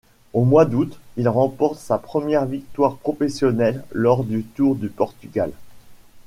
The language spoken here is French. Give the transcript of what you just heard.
Au mois d'août, il remporte sa première victoire professionnelle lors du Tour du Portugal.